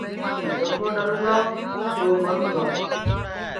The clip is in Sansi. جکو ڈؔرُوں گا ٻو مرُوں گا